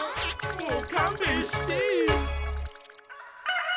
もうかんべんして！